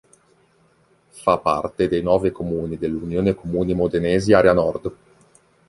Fa parte dei nove comuni dell'Unione comuni modenesi Area nord.